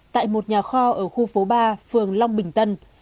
tại một nhà kho ở khu phố ba phường long bình tân